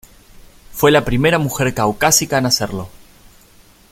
Fue la primera mujer caucásica en hacerlo.